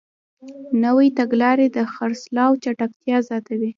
نوې تګلارې د خرڅلاو چټکتیا زیاتوي.